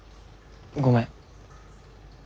ごめん。